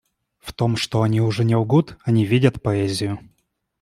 В том, что они уже не лгут, они видят поэзию.